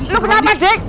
lu kenapa dik